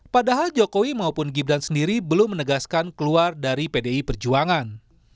padahal jokowi maupun gibran sendiri belum menegaskan keluar dari pdi perjuangan